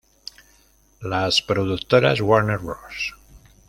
Las productoras Warner Bros.